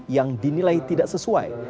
yang dinilai tidak sesuai